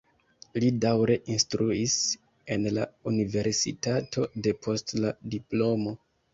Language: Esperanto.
Li daŭre instruis en la universitato depost la diplomo.